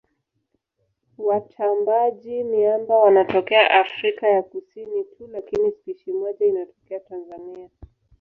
Watambaaji-miamba wanatokea Afrika ya Kusini tu lakini spishi moja inatokea Tanzania.